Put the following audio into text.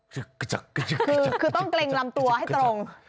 คือต้องเกร็งลำตัวให้ตรง